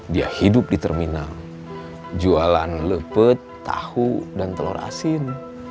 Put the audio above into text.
dia hidup di terminal jualan lepet tahu dan telur asin